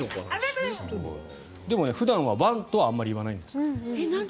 普段はワンとはあまり言わないんですって。